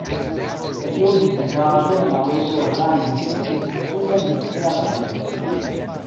El tiu inventaĵo en la urbo Erlangen ekestis tuta industria branĉo.